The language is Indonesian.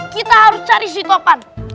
kita harus cari si tauper